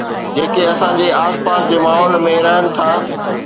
جيڪي اسان جي آس پاس جي ماحول ۾ رهن ٿا